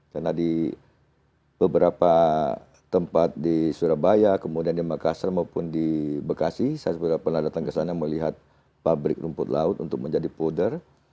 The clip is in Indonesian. karena di beberapa tempat di surabaya kemudian di makassar maupun di bekasi saya sudah pernah datang ke sana melihat pabrik rumput laut untuk menjadi powder